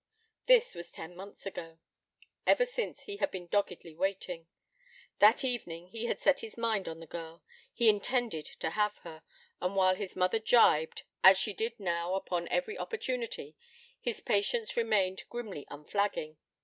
This was ten months ago; ever since he had been doggedly waiting. That evening he had set his mind on the girl, he intended to have her; and while his mother gibed, as she did now upon every opportunity, his patience remained grimly unflagging.